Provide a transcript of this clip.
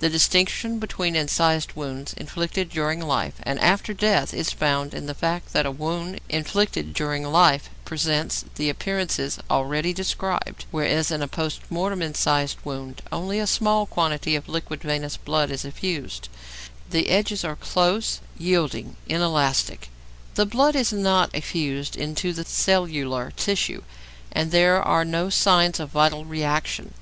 The distinction between incised wounds inflicted during life and after death is found in the fact that a wound inflicted during life presents the appearances already described, whereas in a post mortem incised wound only a small quantity of liquid venous blood is effused; the edges are close, yielding, inelastic; the blood is not effused into the cellular tissue, and there are no signs of vital reaction.